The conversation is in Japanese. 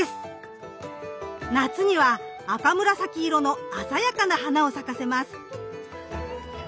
夏には赤紫色の鮮やかな花を咲かせます。